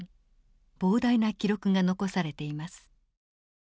膨大な記録が残されています。